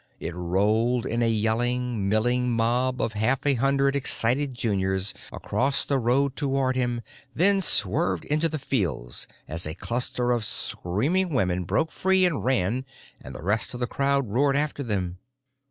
It rolled in a yelling, milling mob of half a hundred excited juniors across the road toward him, then swerved into the fields as a cluster of screaming women broke free and ran, and the rest of the crowd roared after them.